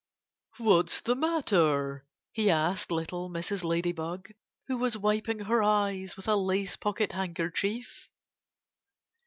"What's the matter?" he asked little Mrs. Ladybug, who was wiping her eyes with a lace pocket handkerchief.